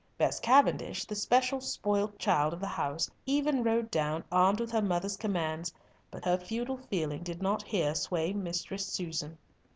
Bess Cavendish, the special spoilt child of the house, even rode down, armed with her mother's commands, but her feudal feeling did not here sway Mistress Susan.